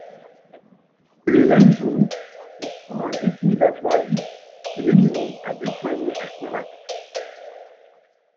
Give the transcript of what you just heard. Le même jour, il prend un dépôt d’avoine que l’ennemi a déployé à Traubach.